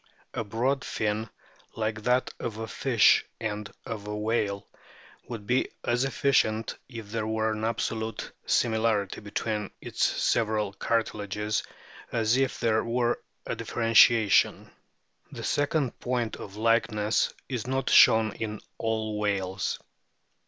A broad fin, like that of a fish and of a whale, would be as efficient if there were an absolute similarity between its several cartilages as if there were a differentiation. The second point of likeness is not shown in all whales.